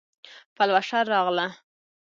پلوشه راغله